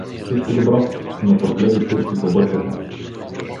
Всичко добро, но прокле ги турци побъркаха!